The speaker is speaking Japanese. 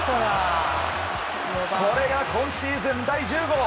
これが今シーズン第１０号！